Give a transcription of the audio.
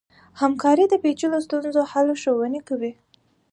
همکاري د پېچلو ستونزو حل شونی کوي.